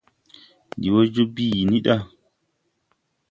Ndi wɔ joo bii ni da.